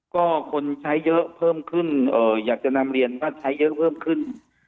ก็คนใช้เยอะเพิ่มขึ้นอยากจะนำเรียนว่าใช้เยอะเพิ่มขึ้น